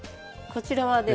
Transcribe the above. こちらはね